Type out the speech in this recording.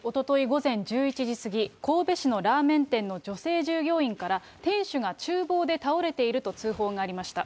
午前１１時過ぎ、神戸市のラーメン店の女性従業員から、店主がちゅう房で倒れていると通報がありました。